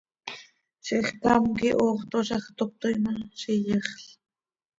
Zixcám quih hoox toozaj, toc cötoii ma, z iyexl.